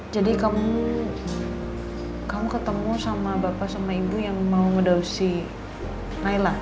jadi kamu kamu ketemu sama bapak sama ibu yang mau ngadau si naila